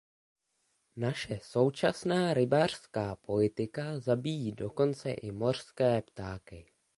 Naše současná rybářská politika zabíjí dokonce i mořské ptáky.